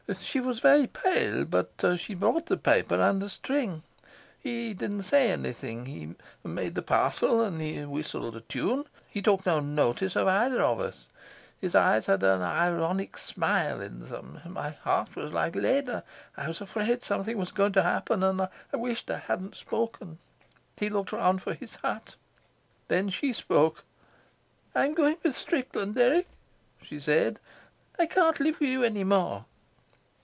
"She was very pale, but she brought the paper and the string. He didn't say anything. He made the parcel and he whistled a tune. He took no notice of either of us. His eyes had an ironic smile in them. My heart was like lead. I was afraid something was going to happen, and I wished I hadn't spoken. He looked round for his hat. Then she spoke: "'I'm going with Strickland, Dirk,' she said. 'I can't live with you any more.'